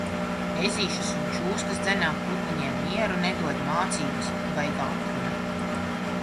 Ezīšus un čūskas dzenā, putniņiem mieru nedod. Mācības, baigā atruna.